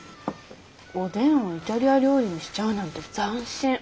おでんをイタリア料理にしちゃうなんて斬新！